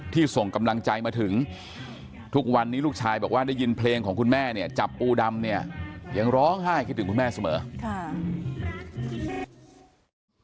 ส่งกำลังใจมาถึงทุกวันนี้ลูกชายบอกว่าได้ยินเพลงของคุณแม่เนี่ยจับปูดำเนี่ยยังร้องไห้คิดถึงคุณแม่เสมอค่ะ